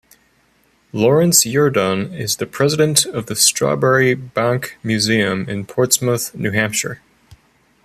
Lawrence Yerdon is the president of the Strawberry Banke Museum in Portsmouth, New Hampshire.